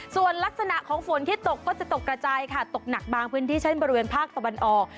ส่วนลักษณะของฝนที่ตกก็จะตกกระจายค่ะตกหนักบางพื้นที่เช่นบริเวณภาคตะวันออก